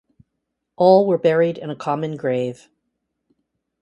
All were buried in a common grave.